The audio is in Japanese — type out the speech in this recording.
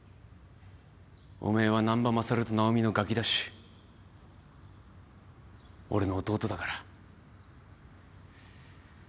おめえは難破勝とナオミのガキだし俺の弟だから。